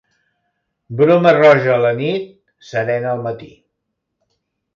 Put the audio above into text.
Broma roja a la nit, serena al matí.